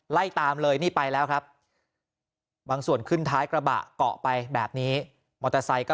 ไล่ตามเลยนี่ไปแล้วครับบางส่วนขึ้นท้ายกระบะเกาะไปแบบนี้มอเตอร์ไซค์ก็